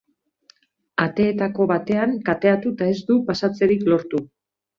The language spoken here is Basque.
Ateetako batean kateatu eta ez du pasatzerik lortu.